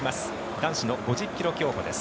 男子の５０ｋｍ競歩です。